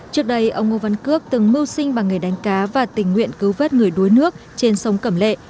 trước đây ông ngô văn cước từng mưu sinh bằng nghề đánh cá và tình nguyện cứu vết người đuối nước trên sông cẩm lệ